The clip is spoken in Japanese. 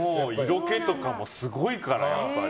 色気とかもすごいからやっぱり。